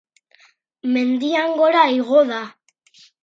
Mendian gora igo da.